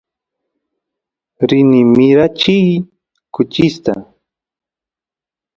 rini mirachiy kuchista